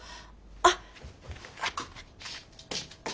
あっ。